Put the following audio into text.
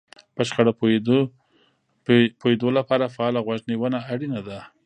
په شخړه پوهېدو لپاره فعاله غوږ نيونه اړينه ده.